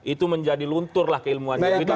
itu menjadi lunturlah keilmuannya